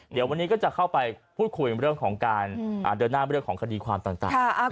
เดี๋ยววันนี้ก็จะเข้าไปพูดคุยเรื่องของการเดินหน้าเรื่องของคดีความต่าง